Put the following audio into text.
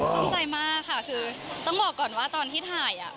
ภูมิใจมากค่ะคือต้องบอกก่อนว่าตอนที่ถ่ายอ่ะ